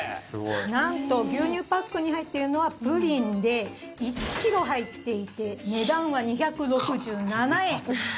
なんと牛乳パックに入っているのはプリンで１ｋｇ入っていて値段は２６７円。